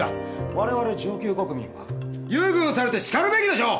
われわれ上級国民は優遇されてしかるべきでしょう！